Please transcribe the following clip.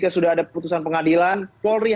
ada yang mengganti